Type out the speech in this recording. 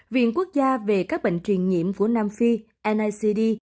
viện quốc gia về các bệnh truyền nhiễm của nam phi necd